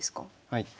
はい。